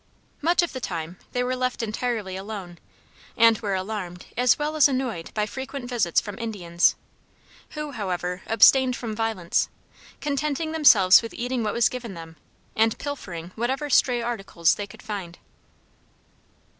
Much of the time they were left entirely alone and were alarmed as well as annoyed by frequent visits from Indians, who, however, abstained from violence, contenting themselves with eating what was given them and pilfering whatever stray articles they could find.